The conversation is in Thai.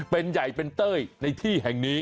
เป็นใหญ่เป็นเต้ยในที่แห่งนี้